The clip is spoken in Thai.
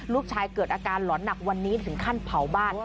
เกิดอาการหลอนหนักวันนี้ถึงขั้นเผาบ้าน